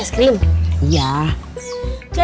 buat ga ini pacaran